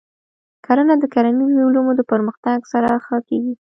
کرنه د کرنیزو علومو د پرمختګ سره ښه کېږي.